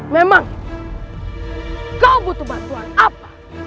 memang kau butuh bantuan apa